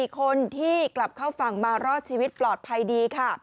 ๔คนที่กลับเข้าฝั่งมารอดชีวิตปลอดภัยดีค่ะ